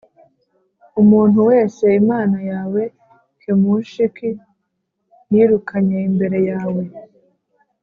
umuntu wese imana yawe Kemoshik yirukanye imbere yawe